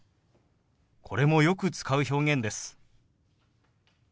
これもよく使う表現です。